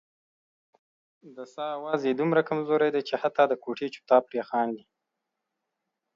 د ساه اواز یې دومره کمزوری دی چې حتا د کوټې چوپتیا پرې خاندي.